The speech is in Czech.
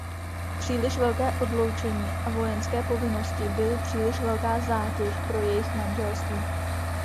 Příliš velké odloučení a vojenské povinnosti byly příliš velká zátěž pro jejich manželství.